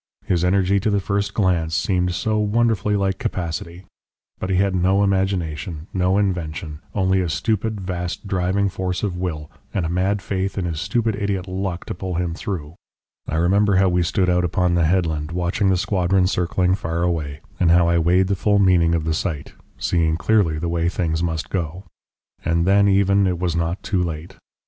His energy to the first glance seemed so wonderfully like capacity! But he had no imagination, no invention, only a stupid, vast, driving force of will, and a mad faith in his stupid idiot 'luck' to pull him through. I remember how we stood out upon the headland watching the squadron circling far away, and how I weighed the full meaning of the sight, seeing clearly the way things must go. And then even it was not too late.